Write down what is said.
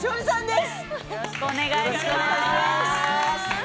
よろしくお願いします。